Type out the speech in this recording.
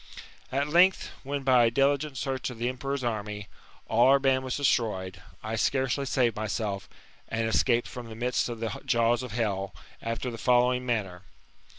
At length, when, by a diligent search of the emperor's army, all our band was destroyed, I scarcely saved tnyself, and escaped from the jaws of hell, after the following manner.